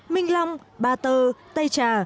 minh long ba tơ tây trà